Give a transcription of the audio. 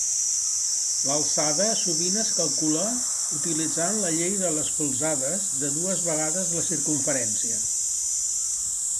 L'alçada sovint es calcula utilitzant la llei de les polzades de dues vegades la circumferència.